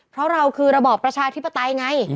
เพราะเราคือระบอบประชาธิปไตยไง